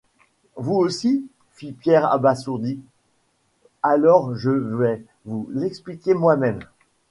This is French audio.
Vous aussi, fit Pierre abasourdi, alors je vais vous l'expliquer moi-même.